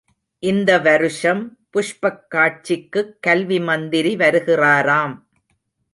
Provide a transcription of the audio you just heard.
இந்த வருஷம் புஷ்பக் காட்சிக்குக் கல்வி மந்திரி வருகிறாராம்.